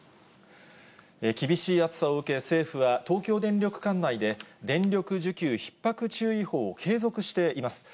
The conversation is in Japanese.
厳しい暑さを受け、政府は東京電力管内で電力需給ひっ迫注意報を継続しています。